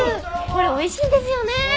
これ美味しいんですよね。